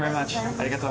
ありがとう。